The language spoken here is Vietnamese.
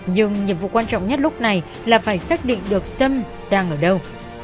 nhưng nhiệm vụ quan trọng nhất lúc này là phải xác định được xâm đang ở đâu